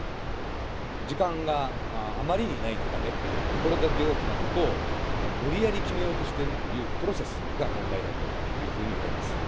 時間があまりにない中で、これだけ大きなことを無理やり決めようとしてるというプロセスが問題だというふうに思います。